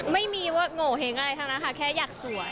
ไม่มีว่าโงเห้งอะไรทั้งนั้นค่ะแค่อยากสวย